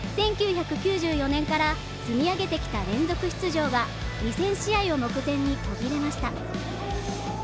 １９９４年から積み上げてきた連続出場は２０００試合を目前に途切れました